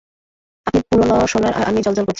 আপনি পুরানো সোনার, আর আমি জ্বলজ্বল করছি।